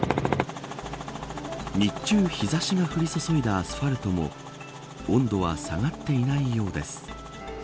日中、日差しが降り注いだアスファルトも温度は下がっていないようです。